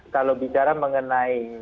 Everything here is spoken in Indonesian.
kalau bicara mengenai